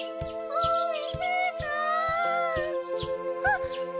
あっ！